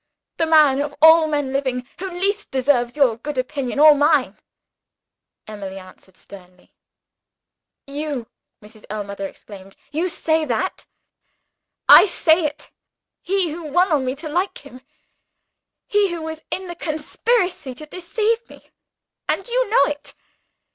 "The man of all men living who least deserves your good opinion or mine," Emily answered sternly. "You!" Mrs. Ellmother exclaimed, "you say that!" "I say it. He who won on me to like him he was in the conspiracy to deceive me; and you know it!